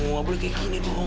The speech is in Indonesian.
wah boleh kayak gini dong